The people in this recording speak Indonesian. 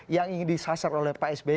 yang ingin disasar oleh pak sby